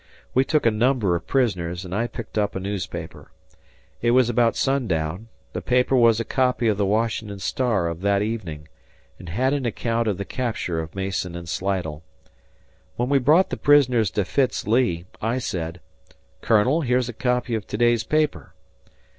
We took a number of prisoners and I picked up a newspaper. It was about sundown; the paper was a copy of the Washington Star of that evening, and had an account of the capture of Mason and Slidell. When we brought the prisoners to Fitz Lee, I said, "Colonel, here's a copy of to day's paper."